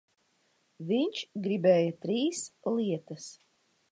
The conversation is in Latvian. Viņš gribēja trīs lietas.